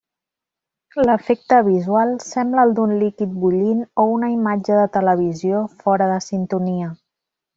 L'efecte visual sembla el d'un líquid bullint o una imatge de televisió fora de sintonia.